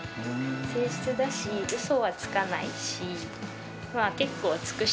誠実だし、うそはつかないし。